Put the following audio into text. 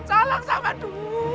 salah sam aduh